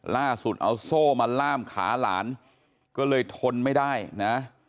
ล่าสุดเอาโซ่มาล่ามขาหลานก็เลยทนไม่ได้นะ